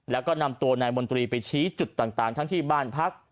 แล้วก็นำตัวนายมนตรีไปชี้จุดต่างทั้งที่บ้านพัก